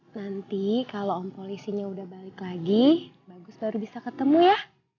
nanti kalau om polisinya udah balik lagi bagus baru bisa ketemu ya